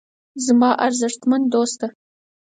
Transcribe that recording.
زما ارزښتمن دوسته.